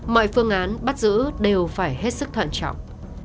mọi phương án bắt giữ đều phải hết sức thận trọng